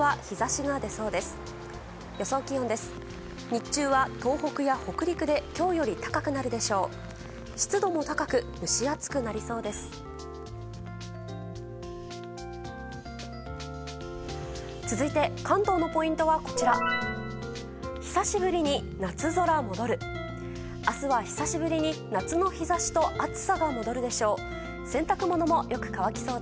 明日は久しぶりに夏の日差しと暑さが戻るでしょう。